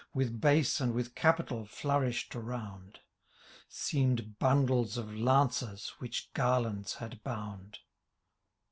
With base and with capital flourished around,^ Seem'd bundles of lances which garlands had bound.